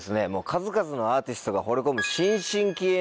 数々のアーティストがほれ込む。